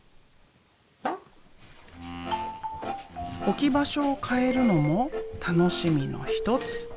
置き場所を変えるのも楽しみの一つ。